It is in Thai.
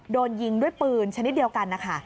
โดนยิงด้วยปืนชนิดเดียวกันนะคะ